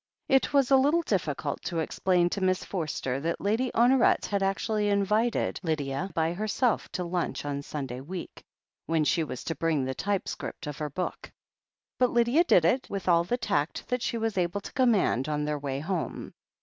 It was a little difficult to explain to Miss Forster that Lady Honoret had actually invited Lydia by herself to lunch on Sunday week, when she was to bring the t)rpe script of her book ; but Lydia did it with all the tact that she was able to command on their way home.